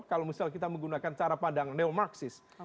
kalau misal kita menggunakan cara pandang neo marxist